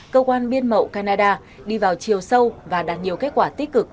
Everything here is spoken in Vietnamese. cơ quan biên mậu canada đi vào chiều sâu và đạt nhiều kết quả tích cực